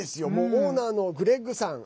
オーナーのグレッグさん。